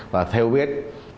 và thêu biết